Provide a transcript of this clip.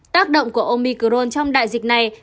tác động của omicron trong đại dịch này